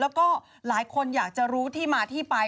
แล้วก็หลายคนอยากจะรู้ที่มาที่ไป